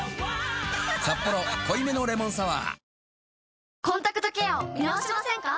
「サッポロ濃いめのレモンサワー」